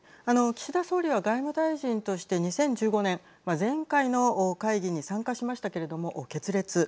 岸田総理は外務大臣として２０１５年前回の会議に参加しましたけれども決裂。